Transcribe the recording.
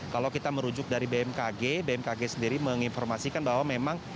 kalau kita merujuk dari bmkg bmkg sendiri menginformasikan bahwa memang